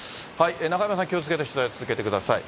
中山さん、気をつけて取材を続けてください。